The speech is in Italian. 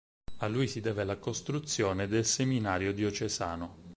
A lui si deve la costruzione del seminario diocesano.